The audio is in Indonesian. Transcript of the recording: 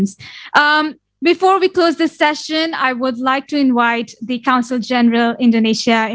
sebelum kita mengakhiri sesi ini saya ingin mengundang pak kounsel general indonesia di dubai